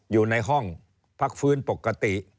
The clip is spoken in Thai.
อยู่ในห้องพักฟื้นปกติ